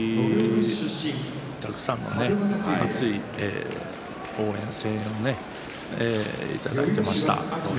毎年たくさんの熱い応援声援をいただいていました。